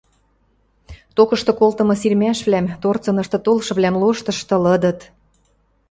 Токышты колтымы сирмӓшвлӓм, торцынышты толшывлӓм лоштышты лыдыт.